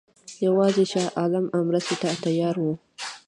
یوازې شاه عالم مرستې ته تیار وو.